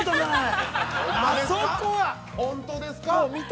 ◆本当ですか。